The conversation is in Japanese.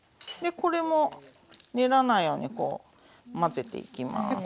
でこれも練らないように混ぜていきます。